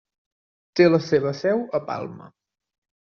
Té la seva seu a Palma.